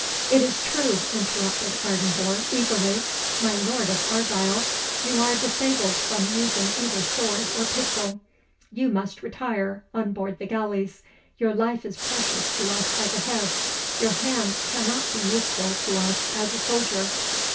"It is true," interrupted Ardenvohr, eagerly, "my Lord of Argyle, you are disabled from using either sword or pistol; you must retire on board the galleys your life is precious to us as a head your hand cannot be useful to us as a soldier."